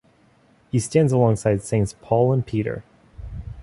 He stands alongside saints Paul and Peter.